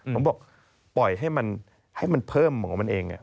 ผมบอกปล่อยให้มันเพิ่มหมอมันเอง